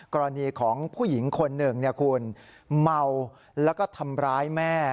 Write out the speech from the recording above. กรณีของผู้หญิงคนหนึ่งคุณเมาแล้วก็ทำร้ายแม่